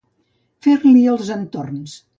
Fer-li els entorns.